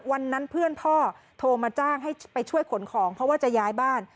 วันนั้นเพื่อนพ่อโทรมาจ้างให้ไปช่วยขนของเพราะว่าจะย้ายบ้าน